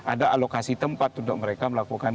ada alokasi tempat untuk mereka melakukan